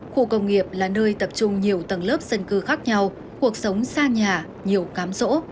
khu công nghiệp là nơi tập trung nhiều tầng lớp dân cư khác nhau cuộc sống xa nhà nhiều cám rỗ